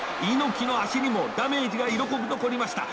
猪木の足にもダメージが色濃く残りました。